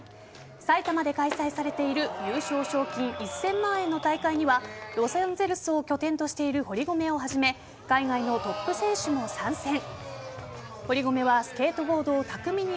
埼玉で開催されている優勝賞金１０００万円の大会にはロサンゼルスを拠点としている堀米をはじめ海外のトップ選手も参戦。